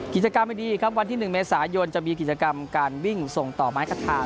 กิจกรรมดีครับวันที่๑เมษายนจะมีกิจกรรมการวิ่งส่งต่อไม้คาทา